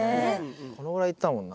このぐらいいったもんな。